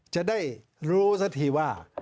จะได้รู้สักทีว่า